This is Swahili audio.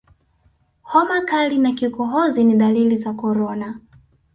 homa kali na kikohozi ni dalili za korona